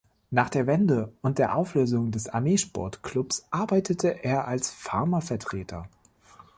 Nach der Wende und der Auflösung des Armeesportklubs arbeitete er als Pharma-Vertreter.